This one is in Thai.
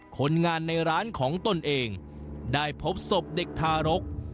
คนงานในร้านของตนเองได้พบศพเด็กทารก